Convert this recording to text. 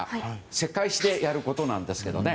世界史でやることなんですけど。